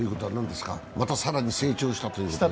また更に成長したということですか？